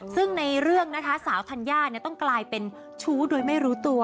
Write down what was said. ซึ่งในเรื่องนะคะสาวธัญญาต้องกลายเป็นชู้โดยไม่รู้ตัว